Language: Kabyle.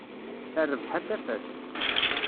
Rrbeḥ a tafat.